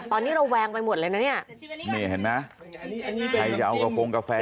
ตอนนี้เราแวงไปหมดเลยในนี้นะมีฮันมั้ใครจะเอากระโพงกาแฟ